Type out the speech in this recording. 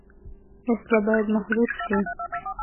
وسله باید محدود شي